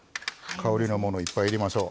香りのものいっぱい入れましょう。